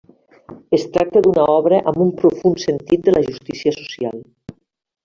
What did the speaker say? Es tracta d'una obra amb un profund sentit de la justícia social.